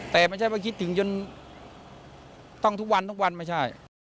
แต่ไม่ใช่ว่าคิดถึงจนต้องทุกวันทุกวันไม่ใช่